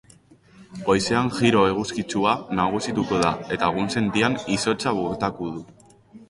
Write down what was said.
Goizean giro eguzkitsua nagusituko da eta egunsentian izotza botako du.